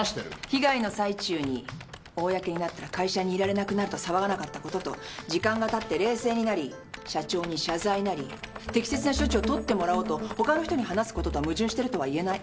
被害の最中に公になったら会社にいられなくなると騒がなかったことと時間がたって冷静になり社長に謝罪なり適切な処置を取ってもらおうとほかの人に話すこととは矛盾してるとは言えない。